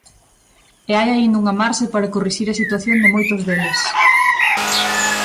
E hai aínda unha marxe para corrixir a situación de moitos deles.